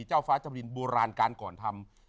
เจ้าฟ้าจรินโบราณการก่อนทำ